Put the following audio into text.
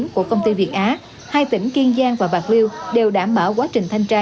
của công ty việt á hai tỉnh kiên giang và bạc liêu đều đảm bảo quá trình thanh tra